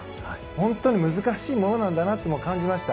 本当に難しいものなんだなと感じました。